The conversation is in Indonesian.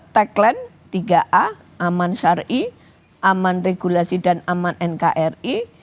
tagline tiga a aman syari aman regulasi dan aman nkri